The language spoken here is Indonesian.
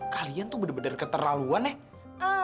kalian tuh bener bener keterlaluan ya